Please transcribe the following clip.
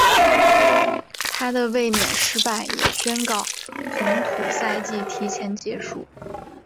她的卫冕失败也宣告红土赛季提前结束。